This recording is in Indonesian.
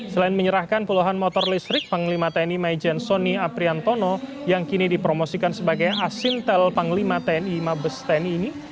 selain menyerahkan puluhan motor listrik panglima tni maijen sony apriantono yang kini dipromosikan sebagai asintel panglima tni mabes tni ini